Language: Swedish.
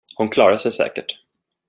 Hon klarar sig säkert.